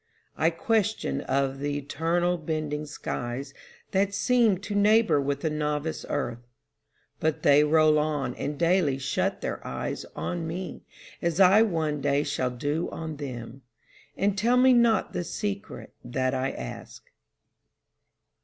I question of th' eternal bending skies That seem to neighbor with the novice earth; But they roll on and daily shut their eyes On me, as I one day shall do on them, And tell me not the secret that I ask.